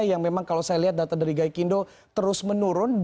yang memang kalau saya lihat data dari gaikindo terus menurun